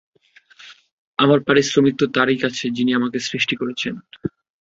আমার পারিশ্রমিক তো তারই কাছে, যিনি আমাকে সৃষ্টি করেছেন।